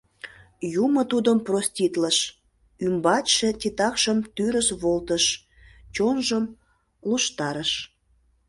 Юмо тудым проститлыш, ӱмбачше титакшым тӱрыс волтыш, чонжым луштарыш.